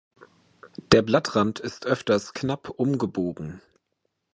Der Blattrand ist öfters knapp umgebogen.